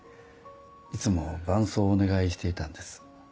いつも伴奏をお願いしていたんです。